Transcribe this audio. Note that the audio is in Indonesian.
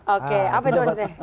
oke apa itu mbak bisa